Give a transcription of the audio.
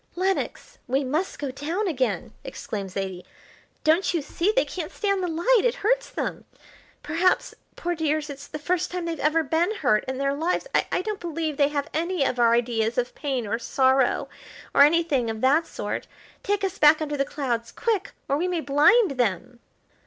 "Lenox, we must go down again," exclaimed Zaidie. "Don't you see they can't stand the light; it hurts them. Perhaps, poor dears, it's the first time they've ever been hurt in their lives. I don't believe they have any of our ideas of pain or sorrow or anything of that sort. Take us back under the clouds quick, or we may blind them."